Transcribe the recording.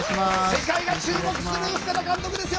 世界が注目する深田監督ですよ！